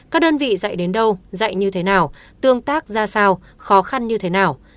các đơn vị dạy đến đâu dạy như thế nào tương tác ra sao khó khăn như thế nào